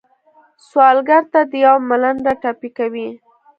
سوالګر ته یو ملنډه ټپي کوي